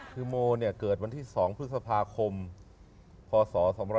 คือโมเนี่ยเกิดวันที่๒พฤษภาคมพศ๒๓๔